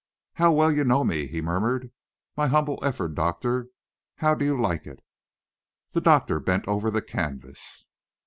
"How well you know me!" he murmured. "My humble effort, Doctor how do you like it?" The doctor bent over the canvas.